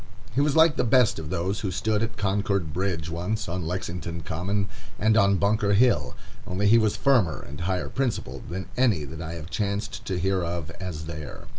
He was like the best of those who stood at Concord Bridge once, on Lexington Common, and on Bunker Hill, only he was firmer and higher principled than any that I have chanced to hear of as there.